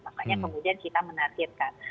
makanya kemudian kita menargetkan